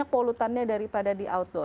polutannya daripada di outdoor